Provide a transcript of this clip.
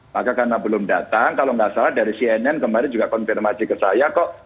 maka karena belum datang kalau nggak salah dari cnn kemarin juga konfirmasi ke saya kok